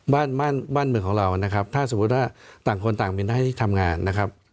บ้านบ้านเมืองของเรานะครับถ้าสมมุติว่าต่างคนต่างมีหน้าที่ทำงานนะครับ